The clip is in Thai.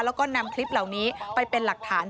แล้วก็นำคลิปเหล่านี้ไปเป็นหลักฐาน